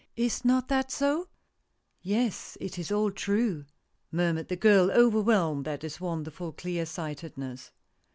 Is not that so ?"" Yes, it is all true," murmured the girl, overwhelmed at this wonderful clear sightedness.